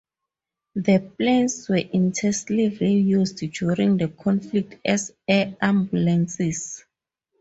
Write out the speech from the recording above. The planes were intensively used during the conflict as air ambulances.